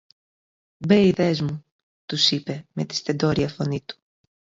"Μπέηδες μου", τους είπε με τη στεντόρεια φωνή του